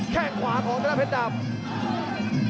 แค่งขวาของกระดาษเพชรดำ